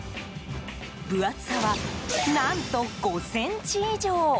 分厚さは何と５ｃｍ以上。